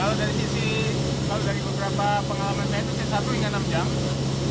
kalau dari sisi kalau dari beberapa pengalaman saya itu satu hingga enam jam